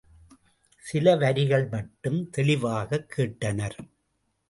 சில வரிகள் மட்டும் தெளிவாகக் கேட்டனர்.